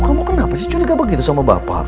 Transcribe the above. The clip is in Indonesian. kamu kenapa sih curiga begitu sama bapak